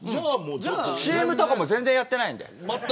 ＣＭとかも全然やってないんで。